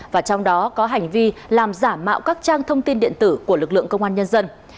và trong đó có hành vi làm giả mạo các trang thông tin điện tử của lực lượng công an nhân dân